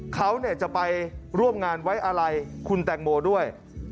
เขาจะไปร่วมงานไว้อะไรคุณแตงโมด้วย